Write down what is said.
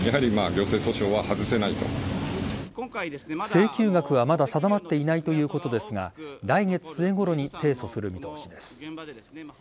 請求額はまだ定まっていないということですが来月末ごろに提訴する見通しです。